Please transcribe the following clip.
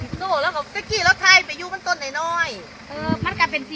เออมันกลับเป็นสีดีบ้า